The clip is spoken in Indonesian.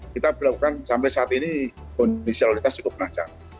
kita berlakukan sampai saat ini kondisionalitas cukup menajar